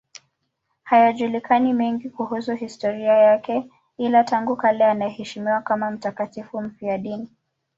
Hayajulikani mengine kuhusu historia yake, ila tangu kale anaheshimiwa kama mtakatifu mfiadini.